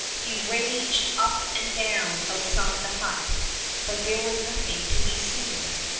He raged up and down outside the hut — but there was nothing to be seen.